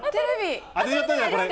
当てちゃったじゃない、これ。